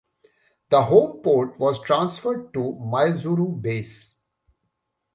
The home port was transferred to Maizuru base.